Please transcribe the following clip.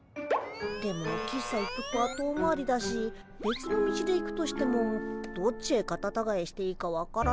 でも喫茶一服は遠回りだしべつの道で行くとしてもどっちへカタタガエしていいか分からないし。